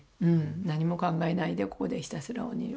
何も考えないでここでひたすらお祈りする。